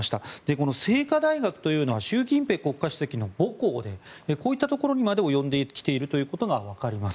この清華大学というのは習近平国家主席の母校でこういったところにまで及んできているということがわかります。